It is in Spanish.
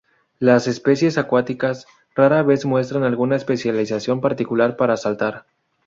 Las especies acuáticas raras veces muestran alguna especialización particular para saltar.